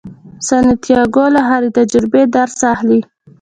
سانتیاګو له هرې تجربې درس اخلي.